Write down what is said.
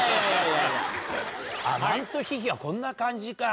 マントヒヒはこんな感じか。